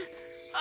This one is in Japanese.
あ。